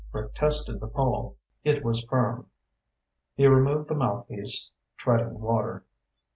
Rick tested the pole. It was firm. He removed the mouthpiece, treading water.